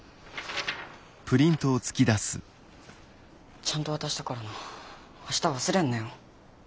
ちゃんと渡したからな明日忘れんなよ。